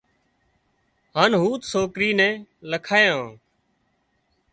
هانَ هوٿ سوڪرِي نين لکايان